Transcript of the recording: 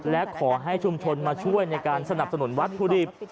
และขอให้ชุมชนมาช่วยในการสนับสนุนวัตถุดิบ